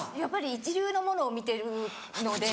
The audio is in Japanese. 一流のものを見てるので。